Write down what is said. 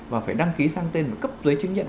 và phải đăng ký sang tên cấp giới chứng nhận